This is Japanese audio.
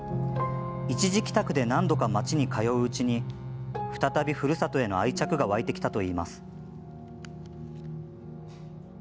一時帰宅で何度か町に通ううちに再び、ふるさとへの愛着が湧いてきたといいます。